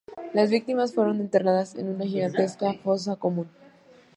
Las víctimas fueron enterradas en una gigantesca fosa común.